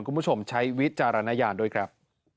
คุณผู้ชมใช้วิจารณญาณด้วยครับ